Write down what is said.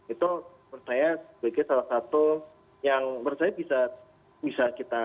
itu menurut saya sebagai salah satu yang menurut saya bisa kita